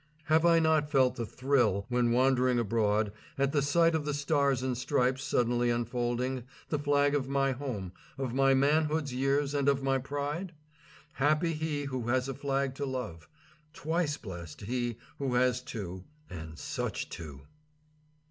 Have I not felt the thrill, when wandering abroad, at the sight of the stars and stripes suddenly unfolding, the flag of my home, of my manhood's years and of my pride? Happy he who has a flag to love. Twice blest he who has two, and such two.